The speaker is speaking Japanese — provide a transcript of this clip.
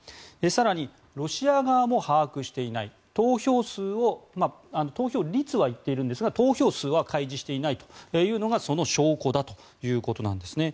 更に、ロシア側も把握していない投票数を投票率は言っているんですが投票数は開示していないというのがその証拠だということなんですね。